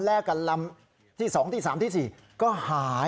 แล้วก็เรียกเพื่อนมาอีก๓ลำ